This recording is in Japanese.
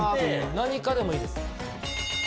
何科でもいいです。